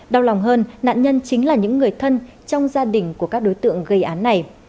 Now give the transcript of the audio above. đau lòng hơn nạn nhân chính là những người thân trong gia đình của các đối tượng gây án này